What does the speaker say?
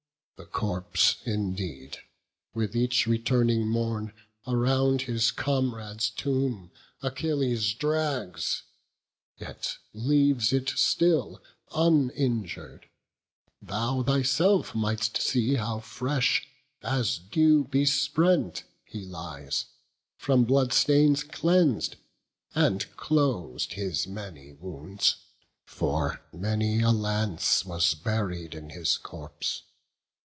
The corpse, indeed, with each returning morn, Around his comrade's tomb Achilles drags, Yet leaves it still uninjur'd; thou thyself Mightst see how fresh, as dew besprent, he lies, From blood stains cleans'd, and clos'd his many wounds, For many a lance was buried in his corpse.